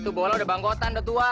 itu bola udah banggotan udah tua